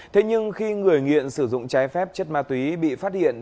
thế nhưng khi người nghiện sử dụng trái phép chất ma túy bị phát hiện